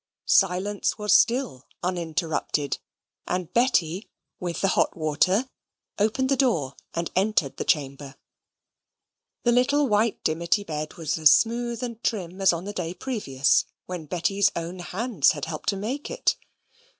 Silence was still uninterrupted; and Betty, with the hot water, opened the door and entered the chamber. The little white dimity bed was as smooth and trim as on the day previous, when Betty's own hands had helped to make it.